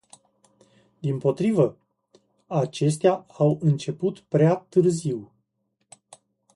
Dimpotrivă, acestea au început prea târziu.